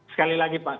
sekali lagi pak